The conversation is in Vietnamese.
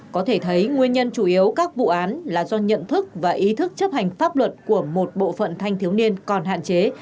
có thể thấy nguyên nhân chủ yếu các vụ án là do nhận thức và ý thức chấp hành pháp luật của một bộ phận thanh thiếu niên còn hạn chế